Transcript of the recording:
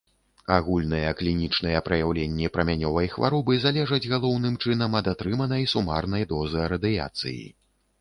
Агульныя клінічныя праяўленні прамянёвай хваробы залежаць галоўным чынам ад атрыманай сумарнай дозы радыяцыі.